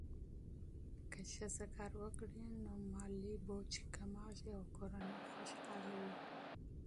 که ښځه کار وکړي، نو مالي فشار کمېږي او کورنۍ خوشحاله وي.